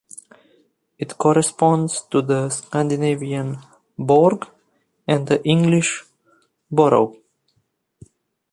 It corresponds to the Scandinavian "Borg" and the English "Borough".